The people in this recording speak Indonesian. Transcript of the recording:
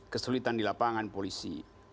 kesulitan di lapangan polisi